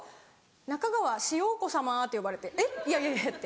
「中川しようこ様」って呼ばれてえっいやいやいやって。